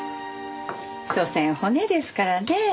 しょせん骨ですからね。